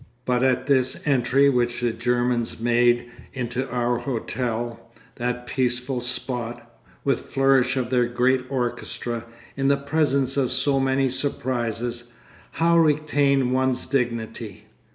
But at this entry which the Germans made into our hotel, that peaceful spot, with flourish of their great orchestra, in the presence of so many surprises, how retain one's dignity?